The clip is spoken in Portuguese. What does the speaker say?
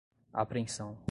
apreensão